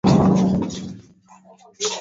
muhimu Mahakama Kuna Mahakama ya kikatiba Mahakama